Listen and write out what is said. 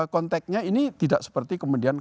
konteknya ini tidak seperti kemudian